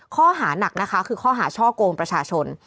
ข้อหานักนะคะคือข้อหาช่อกงประชาชน